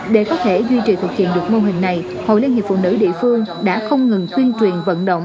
để có thể duy trì thực hiện được mô hình này hội liên hiệp phụ nữ địa phương đã không ngừng tuyên truyền vận động